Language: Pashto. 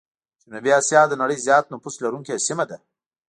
جنوبي آسيا د نړۍ زيات نفوس لرونکي سيمه ده.